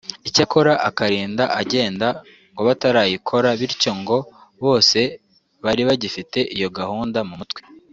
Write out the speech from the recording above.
icyakora akarinda agenda ngo batarayikora bityo ngo bose bari bagifite iyo gahunda mu mutwe